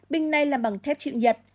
bình này làm bằng thép chịu nhật